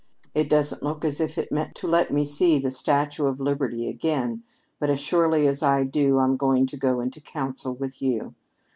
It doesn't look as if it meant to let me see the Statue of Liberty again, but as surely as I do, I'm going to go into council with you.